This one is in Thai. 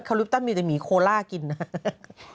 คาลิปตันมีแต่หมีโคล่ากินนะ